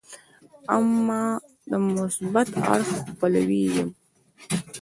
اما د مثبت اړخ پلوی یې یم.